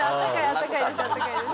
あったかいです。